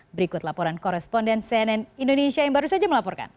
berikut laporan koresponden cnn indonesia yang baru saja melaporkan